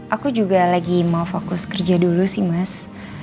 aku juga lagi mau fokus kerja dulu sih mas